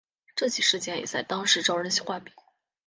这起事件也在当时招人话柄。